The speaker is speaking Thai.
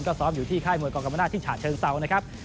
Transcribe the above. ก็ซ้อมอยู่ที่ค่ายมวยกรกรรมนาศที่ฉะเชิงเซานะครับ